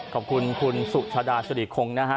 ขอบคุณคุณสุชาดาสิริคงนะฮะ